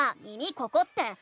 「耳ここ⁉」って。